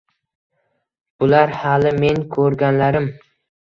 Bular hali men ko`rganlarim